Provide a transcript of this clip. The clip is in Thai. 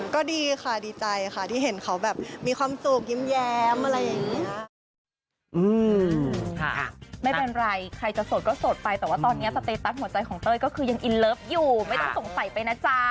ก็ดีค่ะดีใจค่ะที่เห็นเขาแบบมีความสุขยิ้มแย้มอะไรอย่างนี้